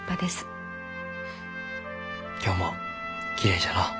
今日もきれいじゃのう。